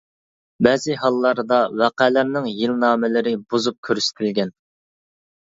بەزى ھاللاردا ۋەقەلەرنىڭ يىلنامىلىرى بۇزۇپ كۆرسىتىلگەن.